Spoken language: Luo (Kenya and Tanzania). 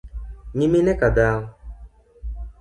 Nyimine ka dhao?